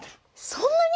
そんなに！